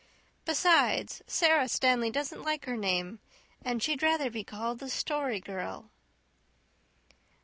Besides, Sara Stanley doesn't like her name and she'd rather be called the Story Girl."